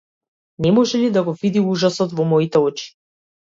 Не може ли да го види ужасот во моите очи?